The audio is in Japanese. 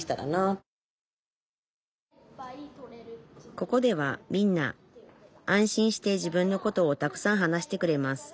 ここではみんな安心して自分のことをたくさん話してくれます。